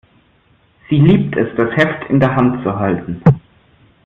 Sie liebt es, das Heft in der Hand zu halten.